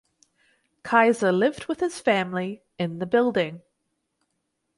Keyser lived with his family in the building.